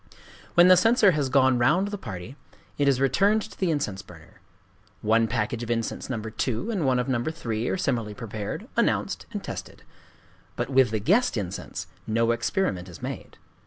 When the censer has gone the round of the party, it is returned to the incense burner. One package of incense No. 2, and one of No. 3, are similarly prepared, announced, and tested. But with the "guest incense" no experiment is made.